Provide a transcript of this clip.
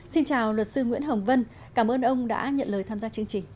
xin chào luật sư nguyễn hồng vân cảm ơn ông đã nhận lời tham gia chương trình